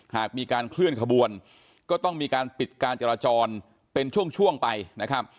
หากมีการเคลื่อนขบวนก็ต้องมีการปิดการจราจรเป็นช่วงไปนะครับ